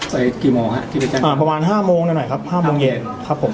กี่โมงฮะที่ไปแจ้งอ่าประมาณห้าโมงหน่อยครับห้าโมงเย็นครับผม